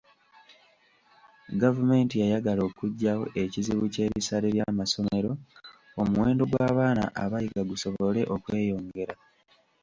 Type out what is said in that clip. Gavumenti yayagala okuggyawo ekizibu ky'ebisale by'amasomero omuwendo gw'abaana abayiga gusobole okweyongera.